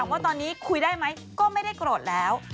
ว่าตอนนี้คุยได้ไหมก็ไม่ได้โกรธแล้ว